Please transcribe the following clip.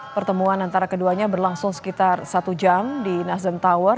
pertemuan antara keduanya berlangsung sekitar satu jam di nasdem tower